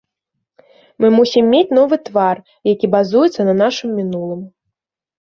Мы мусім мець новы твар, які базуецца на нашым мінулым.